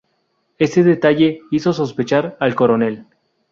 Ese detalle hizo sospechar al coronel.